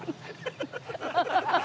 ハハハハ！